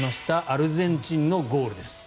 アルゼンチンのゴールです。